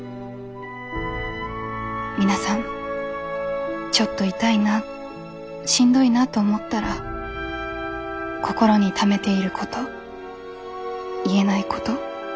皆さんちょっと痛いなしんどいなと思ったら心にためていること言えないこと少しだけでも外に出してみてください。